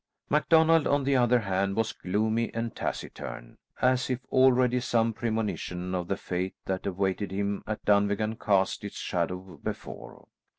MacDonald, on the other hand, was gloomy and taciturn, as if already some premonition of the fate that awaited him at Dunvegan cast its shadow before.